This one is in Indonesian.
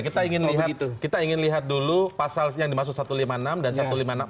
kita ingin lihat dulu pasal yang dimaksud satu ratus lima puluh enam dan satu ratus lima puluh enam